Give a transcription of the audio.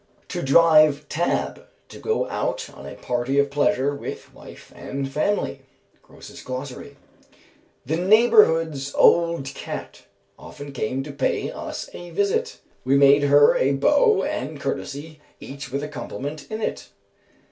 'To drive tab,' to go out on a party of pleasure with wife and family." GROSE'S Glossary. "The neighbour's old cat often Came to pay us a visit; We made her a bow and courtesy, Each with a compliment in it.